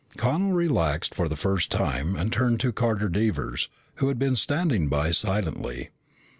Connel relaxed for the first time and turned to Carter Devers who had been standing by silently.